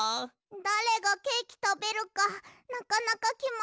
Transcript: だれがケーキたべるかなかなかきまらないね。